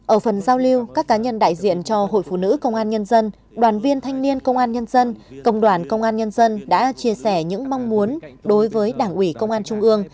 ở phần giao lưu các cá nhân đại diện cho hội phụ nữ công an nhân dân đoàn viên thanh niên công an nhân dân công đoàn công an nhân dân đã chia sẻ những mong muốn đối với đảng ủy công an trung ương